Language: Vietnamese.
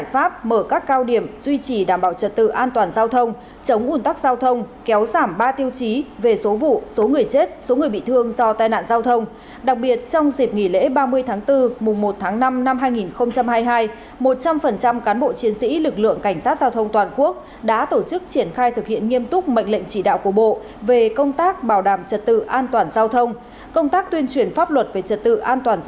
hôm nay đại tướng tô lâm quy viên bộ chính trị bộ trưởng bộ công an có thư khen gửi cán bộ chiến sĩ lực lượng cảnh sát giao thông toàn quốc đã nỗ lực phấn đấu quyết tâm thực hiện thắng lợi nhiệm vụ bảo đảm trật tự an toàn giao thông trong thời gian qua